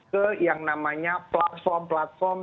ke yang namanya platform platform